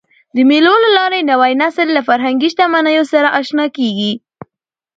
د مېلو له لاري نوی نسل له فرهنګي شتمنیو سره اشنا کېږي.